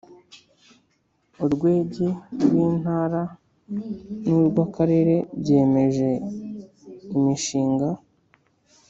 urwegi rwIntara nurwAkarere byemeje imishinga